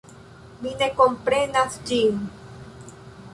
Mi ne komprenas ĝin.